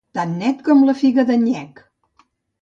Tan net com la figa del Nyec.